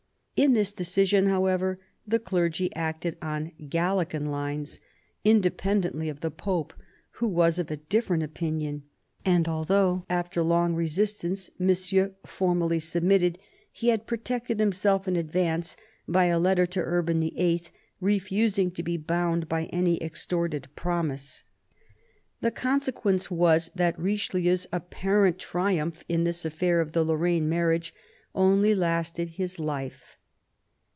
In this decision, however, the clergy acted on Galilean lines, independently of the Pope, who was of a different opinion ; and although, after long resistance. Monsieur formally submitted, he had protected himself in advance by a letter to Urban VIII. refusing to be bound by any extorted promise. The consequence was, that Richelieu's apparent triumph in this affair of the Lorraine marriage only lasted his life.